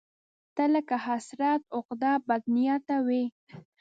ته لکه حسرت، عقده، بدنيته وې